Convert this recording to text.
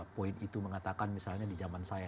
poin itu mengatakan misalnya di zaman saya